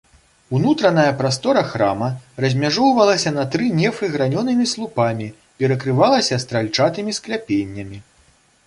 Унутраная прастора храма размяжоўвалася на тры нефы гранёнымі слупамі, перакрывалася стральчатымі скляпеннямі.